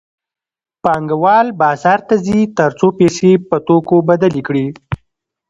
پانګوال بازار ته ځي تر څو پیسې په توکو بدلې کړي